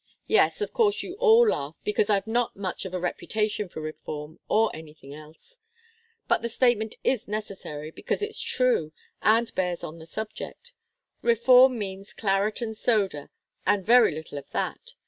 Yes of course you all laugh, because I've not much of a reputation for reform, or anything else. But the statement is necessary because it's true, and bears on the subject. Reform means claret and soda, and very little of that.